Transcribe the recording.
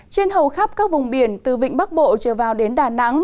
trên hầu khắp các vùng biển từ vịnh bắc bộ trở vào đến đà nẵng